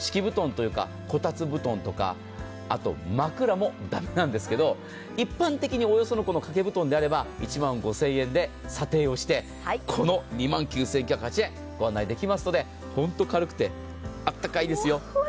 こたつ布団とか、あと、枕も駄目なんですけど一般的におおよそのこの掛け布団であれば１万５０００円で査定をして、この２万９９８０円、ご案内できますのでホント軽くて暖かいですよ。